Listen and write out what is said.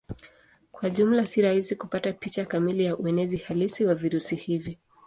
Kwa jumla si rahisi kupata picha kamili ya uenezi halisi wa virusi hivi.